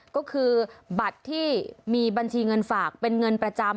ก็คือบัตรที่มีบัญชีเงินฝากเป็นเงินประจำ